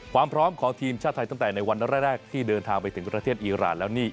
ความพร้อมของทีมชาติไทยตั้งแต่ในวันแรกที่เดินทางไปถึงประเทศอีรานแล้วนี่